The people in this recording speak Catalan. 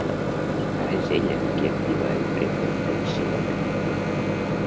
Ara és ella qui activa el prepontenciòmetre.